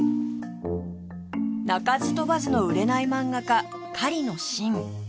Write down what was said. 鳴かず飛ばずの売れない漫画家狩野進